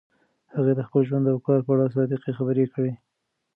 هغې د خپل ژوند او کار په اړه صادقې خبرې کړي.